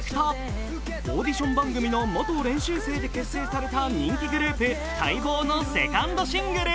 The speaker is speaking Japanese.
オーディション番組の元練習生で結成された人気グループ、待望のセカンドシングル。